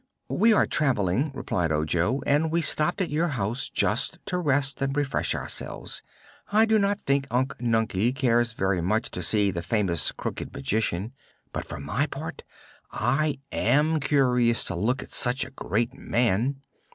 "We are traveling," replied Ojo, "and we stopped at your house just to rest and refresh ourselves. I do not think Unc Nunkie cares very much to see the famous Crooked Magician; but for my part I am curious to look at such a great man."